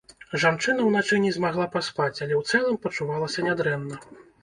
Жанчына ўначы не змагла паспаць, але ў цэлым пачувалася нядрэнна.